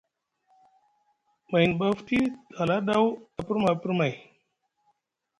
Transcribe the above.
Mayni ɓa fti te hala ɗaw a pirma pirmay.